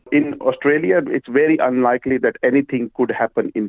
di australia sangat tidak mungkin apa apa bisa terjadi dalam uang